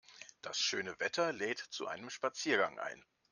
Das schöne Wetter lädt zu einem Spaziergang ein.